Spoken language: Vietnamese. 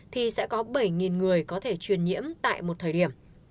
thì sẽ có bảy người có thể truyền nhiễm tại một thời điểm